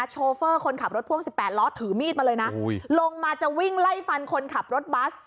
โชเฟอร์คนขับรถพ่วง๑๘ล้อถือมีดมาเลยนะลงมาจะวิ่งไล่ฟันคนขับรถบัส